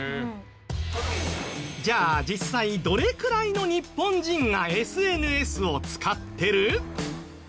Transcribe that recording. じゃあ実際どれくらいの日本人がＳＮＳを使ってる？